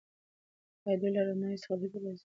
ایا دوی له رڼایي څخه بدې راځي؟